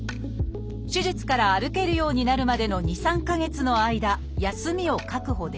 手術から歩けるようになるまでの２３か月の間休みを確保できる。